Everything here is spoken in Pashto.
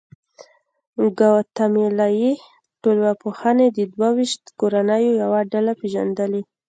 ګواتیمالایي ټولنپوهې د دوه ویشت کورنیو یوه ډله پېژندلې.